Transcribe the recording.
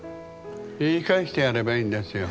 言い返してやればいいんですよ。ね。